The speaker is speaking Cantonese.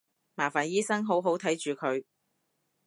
麻煩醫生好好睇住佢